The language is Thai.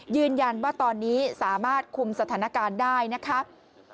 ยืนยันว่าตอนนี้สามารถคุมสถานการณ์ได้นะครับ